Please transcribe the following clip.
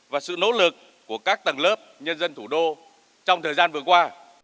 và sự nỗ lực của các tầng lớp nhân dân thủ đô trong thời gian vừa qua